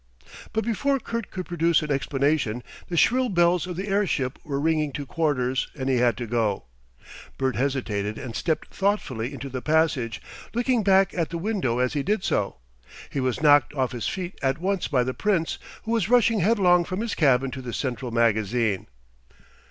But before Kurt could produce an explanation, the shrill bells of the airship were ringing to quarters, and he had to go. Bert hesitated and stepped thoughtfully into the passage, looking back at the window as he did so. He was knocked off his feet at once by the Prince, who was rushing headlong from his cabin to the central magazine.